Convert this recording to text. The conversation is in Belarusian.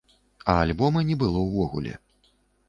А альбома не было ўвогуле.